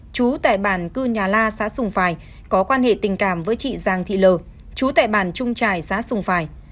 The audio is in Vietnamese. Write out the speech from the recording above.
chú tại bản cư nhà la xã sùng phài có quan hệ tình cảm với chị giàng thị lờ chú tại bản trung trải xã sùng phài